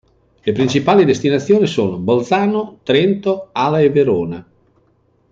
Le principali destinazioni sono Bolzano, Trento, Ala e Verona.